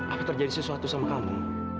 aku terjadi sesuatu sama kamu